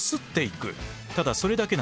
ただそれだけなんです。